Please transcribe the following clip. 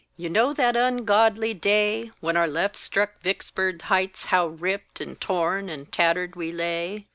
You know that ungodly day When our left struck Vicksburg Heights, how ripped And torn and tattered we lay.